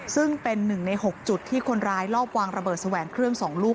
ซึ่งเป็น๑ใน๖จุดที่คนร้ายรอบวางระเบิดแสวงเครื่อง๒ลูก